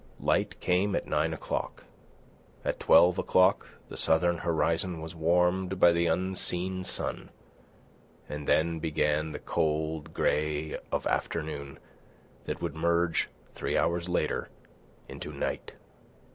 Light came at nine o'clock. At twelve o'clock the southern horizon was warmed by the unseen sun; and then began the cold grey of afternoon that would merge, three hours later, into night.